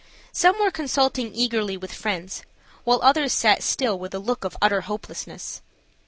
Some were consulting eagerly with friends, while others sat still with a look of utter hopelessness.